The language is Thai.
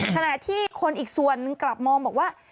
ขณะที่คนอีกส่วนหนึ่งกลับมองบอกว่า